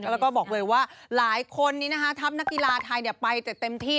แล้วก็บอกเลยว่าหลายคนนี้นะคะทัพนักกีฬาไทยไปแต่เต็มที่